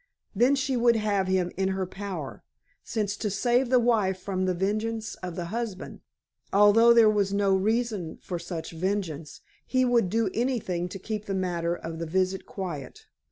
Then she would have him in her power, since to save the wife from the vengeance of the husband, although there was no reason for such vengeance, he would do anything to keep the matter of the visit quiet.